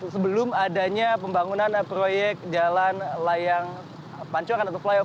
sebelum adanya pembangunan proyek jalan layang pancoran atau flyong